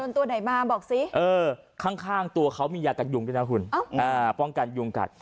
ตัวไหนมาบอกสิข้างตัวเขามียากันยุงด้วยนะคุณป้องกันยุงกัด